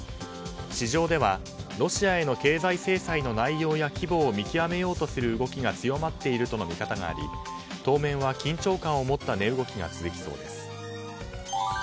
市場では、ロシアへの経済制裁への内容や規模を見極めようとする動きが強まっているとの見方があり当面は緊張感を持った値動きが続きそうです。